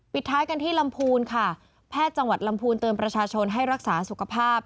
ท้ายกันที่ลำพูนค่ะแพทย์จังหวัดลำพูนเตือนประชาชนให้รักษาสุขภาพ